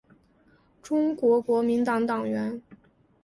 中国国民党党员。